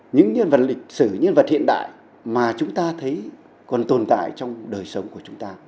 những nhân vật lịch sử nhân vật hiện đại mà chúng ta thấy còn tồn tại trong đời sống của chúng ta